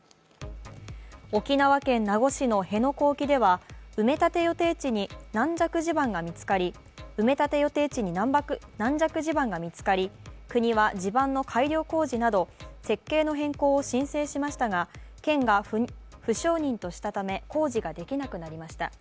沖縄県名護市の辺野古沖では埋め立て予定地に軟弱地盤が見つかり国は地盤の改良工事など、設計の変更を申請しましたが県が不承認としたため、工事ができなくなりました。